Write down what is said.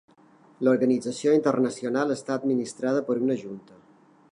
L'organització internacional està administrada per una junta.